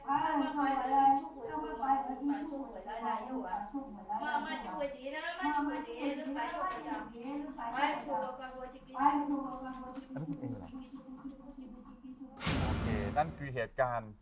นั่นคือเหตุการณ์